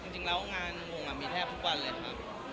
จริงแล้วงานงงมีแทบทุกวันเลยครับ